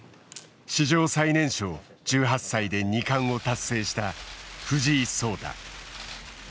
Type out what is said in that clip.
史上最年少１８歳で二冠を達成した藤井聡太。